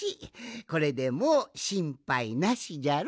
これでもうしんぱいなしじゃろ？